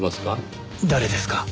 誰ですか？